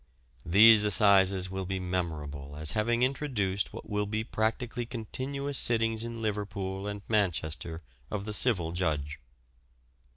These Assizes will be memorable as having introduced what will be practically continuous sittings in Liverpool and Manchester of the civil judge.